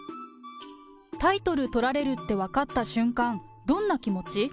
タイトル取られるって分かった瞬間、どんな気持ち？